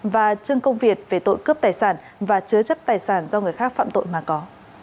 và trương công việt về tội cướp tài sản và chứa chấp tài sản do người khác phạm tội mà có